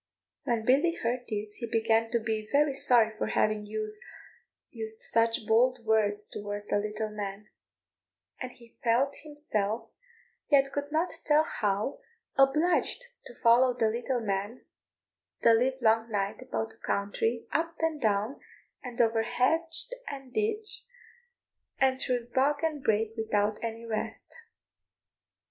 When Billy heard this he began to be very sorry for having used such bold words towards the little man; and he felt himself, yet could not tell how, obliged to follow the little man the live long night about the country, up and down, and over hedge and ditch, and through bog and brake, without any rest.